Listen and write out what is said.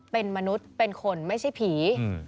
เป็นมนุษย์เป็นคนไม่ใช่ผี